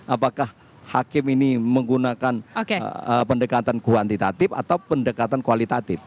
apakah hakim ini menggunakan pendekatan kuantitatif atau pendekatan kualitatif